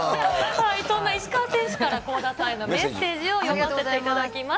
そんな石川選手から倖田さんへのメッセージを読ませていただきます。